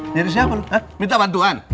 nyari siapa lo minta bantuan